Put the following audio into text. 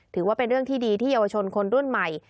ถือว่าเป็นเรื่องที่ดีที่เยาวชนคนรุ่นใหม่